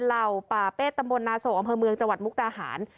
เหล่าป่าเฮดตำบลนาโศกอำเภอเมืองจันทร์มุกตาหาล